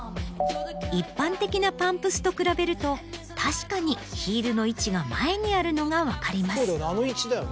一般的なパンプスと比べると確かにヒールの位置が前にあるのが分かります。